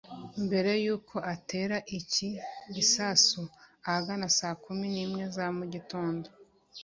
mbere y’uko atera iki gisasu ahagana saa kumi n’imwe za mu gitondo